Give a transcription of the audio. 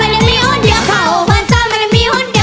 ดิ้มดิ้มกลับมาหาผมที